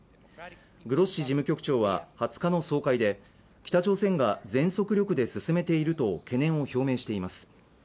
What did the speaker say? グロッシ事務局長は２０日の総会で、北朝鮮が全速力で進めていると懸念を表明しています。